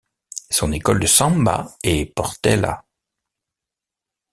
Son école de samba est Portela.